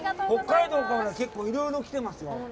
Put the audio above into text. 北海道から、いろいろ来てますよ。